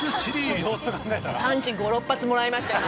パンチ５６発もらいました